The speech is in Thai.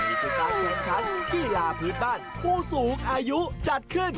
นี่คือการแข่งขันกีฬาพื้นบ้านผู้สูงอายุจัดขึ้น